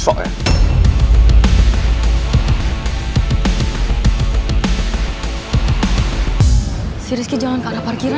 lo gak usah mimpi